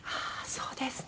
そうですね！